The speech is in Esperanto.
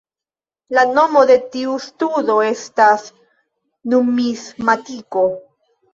La nomo de tiu studo estas numismatiko.